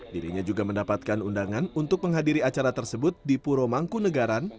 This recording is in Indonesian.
dirinya juga mendapatkan undangan untuk menghadiri acara tersebut di puro mangkunagaran